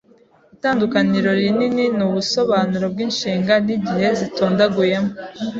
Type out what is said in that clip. Itandukaniro rininin'ubusobanuro bw'inshinga n'igihe zitondaguyemo